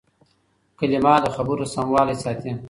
کلیمه د خبرو سموالی ساتي.